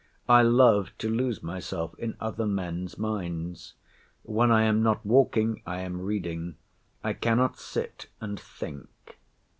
I love to lose myself in other men's minds. When I am not walking, I am reading; I cannot sit and think.